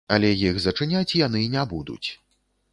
Але іх зачыняць яны не будуць.